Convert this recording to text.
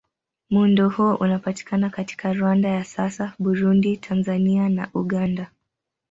Muundo huo unapatikana katika Rwanda ya sasa, Burundi, Tanzania na Uganda.